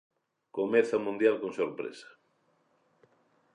Comeza o Mundial con sorpresa.